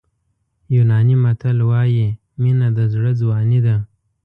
یوناني متل وایي مینه د زړه ځواني ده.